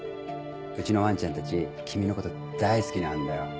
うちのわんちゃんたち君の事大好きなんだよ。